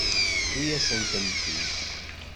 Tewwi-yasen-tent-id.